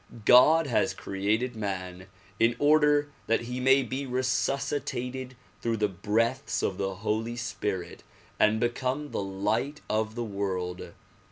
God has created man in order that he may be resuscitated through the breaths of the Holy Spirit and become the light of the world.